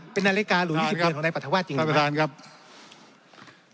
เป็นอาลิการุ่นที่สิบเกินของในปรัฐวาสจริงหรือไม่